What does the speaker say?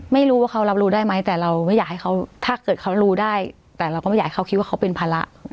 ไม่รู้ว่าเขารับรู้ได้ไหมแต่เราไม่อยากให้เขาถ้าเกิดเขารู้ได้แต่เราก็ไม่อยากให้เขาคิดว่าเขาเป็นภาระ